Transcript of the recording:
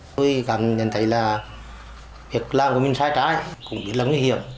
tôi cảm nhận thấy là việc làm của mình sai trái cũng bị lấn nguy hiểm